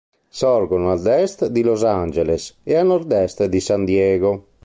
Sorgono ad est di Los Angeles ed a nordest di San Diego.